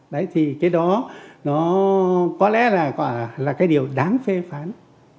đấy thì cái đó nó có lẽ là cái điều đáng phê phán